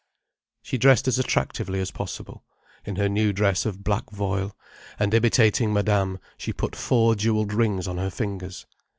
She dressed as attractively as possible, in her new dress of black voile, and imitating Madame, she put four jewelled rings on her fingers.